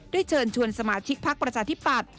ด้วยเชิญชวนสมาชิกภักดิ์ประชาธิบัตร